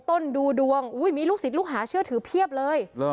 ดูดวงมีลูกศิษย์ลูกหาเชื่อถือเพียบเลย